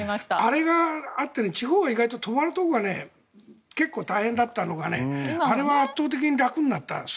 あれがあって地方は意外と泊まるところが大変だったのがあれは圧倒的に楽になった。